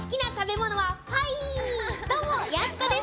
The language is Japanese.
どうもー、やす子です。